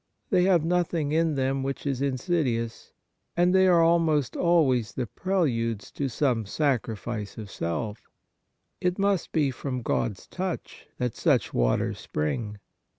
They have nothing in them which is insidious, and they are almost always the preludes to some sacrifice of self. It must be from God's touch that such waters spring.